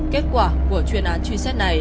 kết quả của chuyên án truy xét này